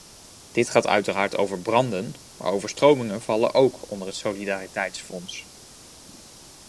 Dit gaat uiteraard over branden, maar overstromingen vallen ook onder het solidariteitsfonds.